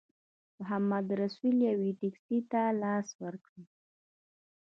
محمدرسول یوې ټیکسي ته لاس ورکړ.